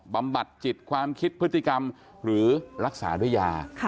บำบัดจิตความคิดพฤติกรรมหรือรักษาด้วยยา